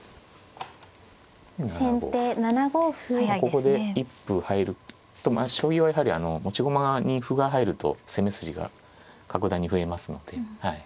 ここで一歩入ると将棋はやはり持ち駒に歩が入ると攻め筋が格段に増えますので。